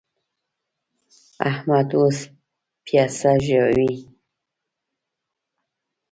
احمد اوس پياڅه ژووي.